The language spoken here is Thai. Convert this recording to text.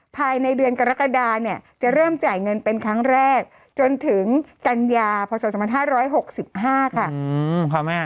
ภายในเดือนกรกฎาเนี่ยจะเริ่มจ่ายเงินเป็นครั้งแรกจนถึงกันยาพศ๒๕๖๕ค่ะ